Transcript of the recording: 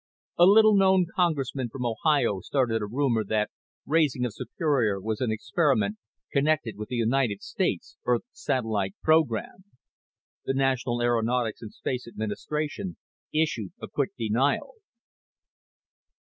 A little known congressman from Ohio started a rumor that raising of Superior was an experiment connected with the United States earth satellite program. The National Aeronautics and Space Administration issued a quick denial.